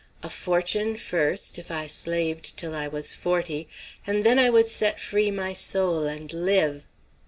A fortune first, if I slaved till I was forty, and then I would set free my soul and live!